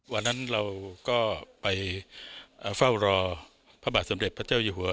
วันนั้นเราก็ไปเฝ้ารอพระบาทสมเด็จพระเจ้าอยู่หัว